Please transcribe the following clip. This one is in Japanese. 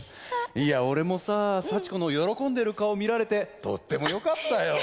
いや俺もさ幸子の喜んでる顔見られてとってもよかったよ。